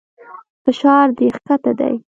فشار دې کښته دى.